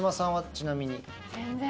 ちなみに。